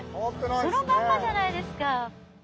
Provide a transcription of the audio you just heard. そのまんまじゃないですか。